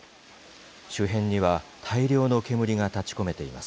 周辺には大量の煙が立ち込めています。